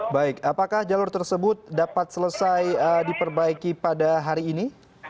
baik apakah jalur tersebut dapat selesai diperbaiki pada hari ini